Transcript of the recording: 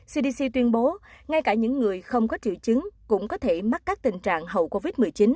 cdc tuyên bố ngay cả những người không có triệu chứng cũng có thể mắc các tình trạng hậu covid một mươi chín